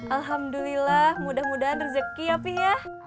alhamdulillah mudah mudahan rezeki ya pih ya